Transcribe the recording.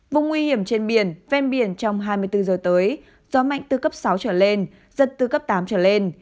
vùng nguy hiểm trên biển ven biển trong hai mươi bốn giờ tới gió mạnh từ cấp sáu trở lên giật từ cấp tám trở lên